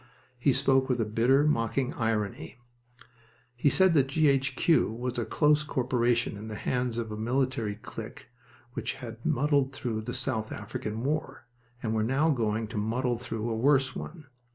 He spoke with a bitter, mocking irony. He said that G.H.Q. was a close corporation in the hands of the military clique who had muddled through the South African War, and were now going to muddle through a worse one.